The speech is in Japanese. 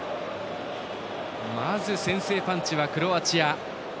まず、先制パンチはクロアチア。